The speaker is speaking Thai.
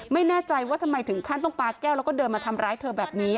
ไม่แน่ใจว่าทำไมถึงขั้นต้องปลาแก้วแล้วก็เดินมาทำร้ายเธอแบบนี้